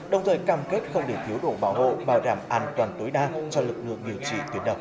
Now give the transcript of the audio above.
đồng thời cam kết không để thiếu đủ bảo hộ bảo đảm an toàn tối đa cho lực lượng điều trị tuyến đầu